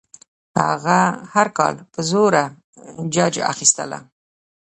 هغه هر کال په زوره ججه اخیستله.